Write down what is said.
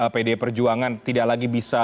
pdi perjuangan tidak lagi bisa